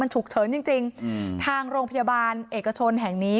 มันฉุกเฉินจริงทางโรงพยาบาลเอกชนแห่งนี้